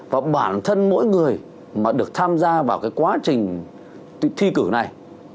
và bản thân mỗi người mà được tham gia vào cái quá trình thi cử này